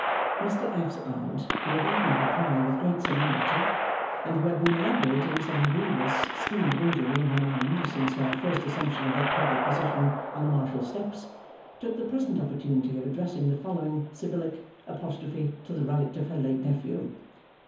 Mr F.'s Aunt, who had eaten her pie with great solemnity, and who had been elaborating some grievous scheme of injury in her mind since her first assumption of that public position on the Marshal's steps, took the present opportunity of addressing the following Sibyllic apostrophe to the relict of her late nephew.